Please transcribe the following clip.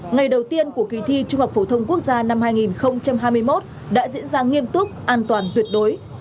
ngày đầu tiên của kỳ thi trung học phổ thông quốc gia năm hai nghìn hai mươi một đã diễn ra nghiêm túc an toàn tuyệt đối